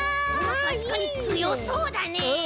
あったしかにつよそうだね。